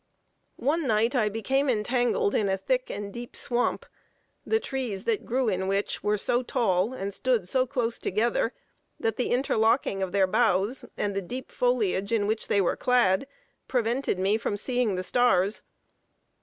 One night I became entangled in a thick and deep swamp; the trees that grew in which, were so tall, and stood so close together, that the interlocking of their boughs, and the deep foliage in which they were clad, prevented me from seeing the stars.